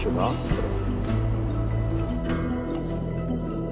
これ。